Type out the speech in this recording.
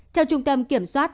theo trung tâm kiểm soát